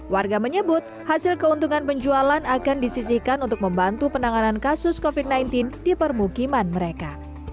warga menyebut hasil keuntungan penjualan akan disisikan untuk membantu penanganan kasus covid sembilan belas di permukiman mereka